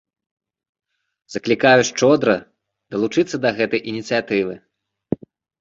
Заклікаю шчодра далучыцца да гэтай ініцыятывы.